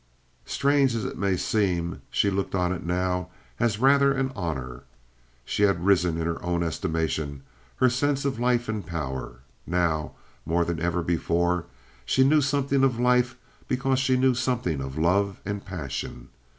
Strange as it may seem, she looked on it now as rather an honor. She had risen in her own estimation—her sense of life and power. Now, more than ever before, she knew something of life because she knew something of love and passion.